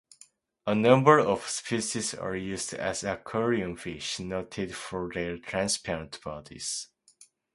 A number of species are used as aquarium fish, noted for their transparent bodies.